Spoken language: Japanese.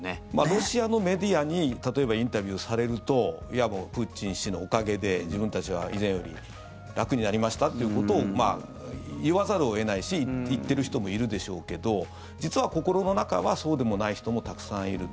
ロシアのメディアに例えばインタビューされるとプーチン氏のおかげで自分たちは以前より楽になりましたということを言わざるを得ないし言ってる人もいるでしょうけど実は心の中はそうでもない人もたくさんいる。